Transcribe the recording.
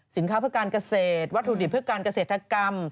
สินค้าเพื่อการเกษตรวัตถุดิบเพื่อการเกษตรกรรม